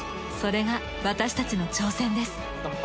それが私たちの挑戦です。